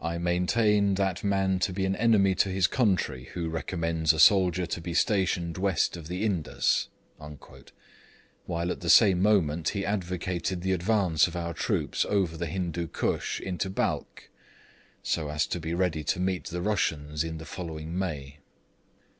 'I maintain,' he said, 'that man to be an enemy to his country who recommends a soldier to be stationed west of the Indus; 'while at the same moment he advocated the advance of our troops over the Hindoo Koosh into Balkh, so as to be ready to meet the Russians in the following May.